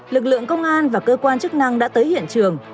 lực lượng công an và cơ quan chức năng đã tới hiện trường